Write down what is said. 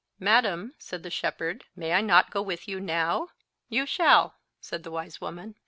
"Madam," said the shepherd, "may I not go with you now?" "You shall," said the wise woman.